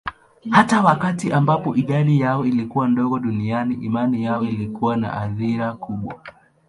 Hata wakati ambapo idadi yao ilikuwa ndogo duniani, imani yao ilikuwa na athira kubwa.